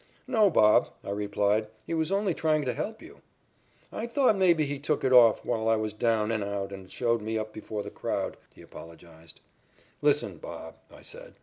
"No, Bob," I replied, "he was only trying to help you." "I thought maybe he took it off while I was down and out and showed me up before the crowd," he apologized. "Listen, Bob," I said.